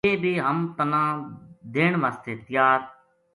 ویہ بے ہم تَنا دین واسطے تیار